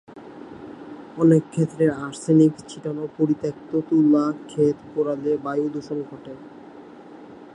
অনেক ক্ষেত্রে আর্সেনিক ছিটানো পরিত্যক্ত তুলা ক্ষেত পোড়ালে বায়ু দূষণ ঘটে।